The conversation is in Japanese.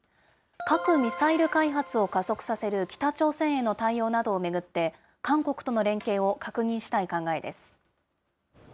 核・ミサイル開発を加速させる北朝鮮への対応などを巡って、韓国との連携を確認したい考えです。